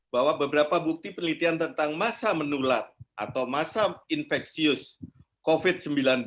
bahwa beberapa bukti penelitian tentang masa menulat atau masa infeksius covid sembilan belas